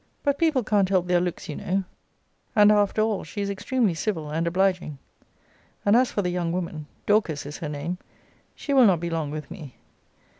But people can't help their looks, you know; and after all she is extremely civil and obliging, and as for the young woman, (Dorcas is her name,) she will not be long with me.